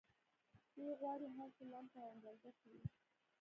دوی غواړي هرڅه لمس او اندازه کړي